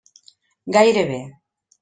Gairebé.